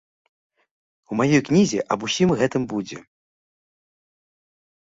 У маёй кнізе аб усім гэтым будзе.